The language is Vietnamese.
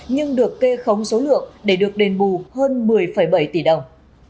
nhưng được kê khống số lượng để được đền bù hơn một mươi bảy tỷ đồng